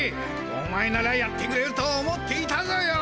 お前ならやってくれると思っていたぞよ。